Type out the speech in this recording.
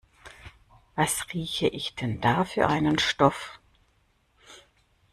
Was rieche ich denn da für einen Stoff?